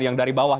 yang dari bawah